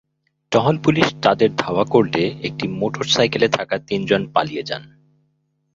টহল পুলিশ তাঁদের ধাওয়া করলে একটি মোটরসাইকেলে থাকা তিনজন পালিয়ে যান।